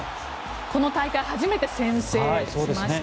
この大会初めて、先制しました。